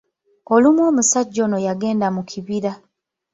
Olumu omusajja ono yagenda mu kibira.